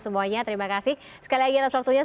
semuanya terima kasih sekali lagi atas waktunya